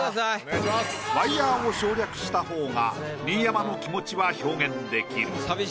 ワイヤーを省略した方が新山の気持ちは表現出来る。